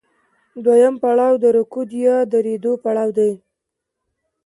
دویم پړاو د رکود یا درېدو پړاو دی